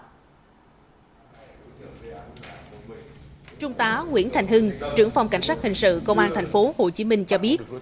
trung tá nguyễn thành hưng trưởng phòng cảnh sát hình sự công an tp hcm cho biết